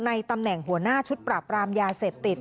ตำแหน่งหัวหน้าชุดปราบรามยาเสพติด